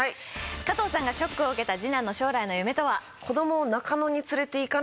加藤さんがショックを受けた次男の将来の夢とは？